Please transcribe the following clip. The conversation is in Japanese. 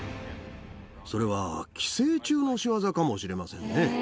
それは寄生虫のしわざかもしれませんね。